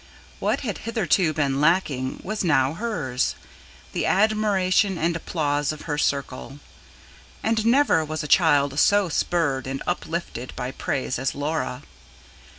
What had hitherto been lacking was now hers: the admiration and applause of her circle. And never was a child so spurred and uplifted by praise as Laura.